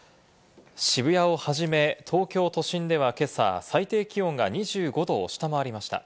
渋谷をはじめ、東京都心では今朝、最低気温が２５度を下回りました。